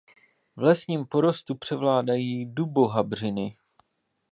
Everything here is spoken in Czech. V lesním porostu převládají dubohabřiny.